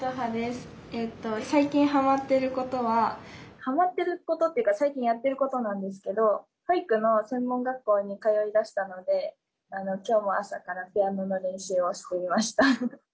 最近ハマってることはハマってることっていうか最近やってることなんですけど保育の専門学校に通いだしたので今日も朝からピアノの練習をしていました。